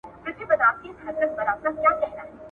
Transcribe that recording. په ظاهره وي په سپینو جامو ښکلی !.